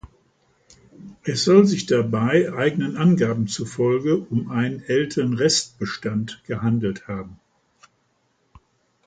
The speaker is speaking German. Es soll sich dabei, eigenen Angaben zufolge, um einen älteren Restbestand gehandelt haben.